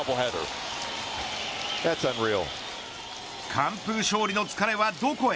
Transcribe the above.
完封勝利の疲れはどこへ。